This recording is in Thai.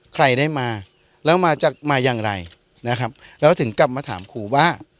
ใครได้มาแล้วมาจะมาอย่างไรนะครับแล้วถึงกลับมาถามครูว่า